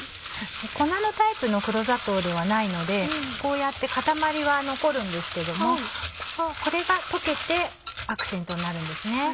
粉のタイプの黒砂糖ではないのでこうやって塊は残るんですけどもこれが溶けてアクセントになるんですね。